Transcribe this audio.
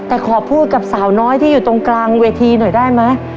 แต่ขอพูดกับสาวน้อยที่อยู่ตรงกลางเวทีหน่อยได้ไหม